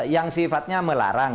yang sifatnya melarang